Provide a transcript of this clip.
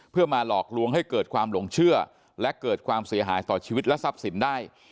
เพื่อมาหลอกลวงให้เกิดความหลงเชื่อและเกิดความเสียหายต่อชีวิตและทรัพย์สินได้